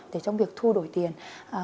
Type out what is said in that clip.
để trong việc thu đổi tiền lẻ